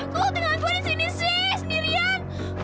kok lo tinggalan gue di sini sih sendirian